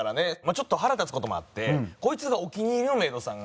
ちょっと腹立つ事もあってこいつがお気に入りのメイドさんがいて。